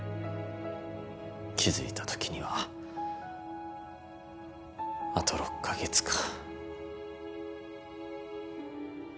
気づいた時にはあと６か月か。